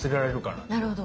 なるほど。